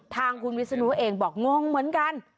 ทางคุณวิศนุเองบอกงงเหมือนกัน